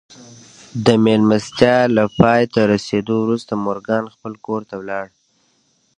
د مېلمستيا له پای ته رسېدو وروسته مورګان خپل کور ته ولاړ.